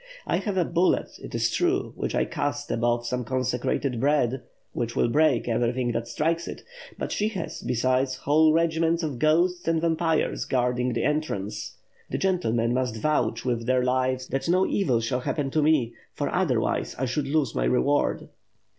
I have a bullet, it is true, which I cast above some consecrated bread, which will break everything that strikes it; but she has, besides, whole regiments of ghosts and vampires guard ing the entrance. The gentlemen must vouch with their lives that no evil shall happen to me, for otherwise I should lose my reward."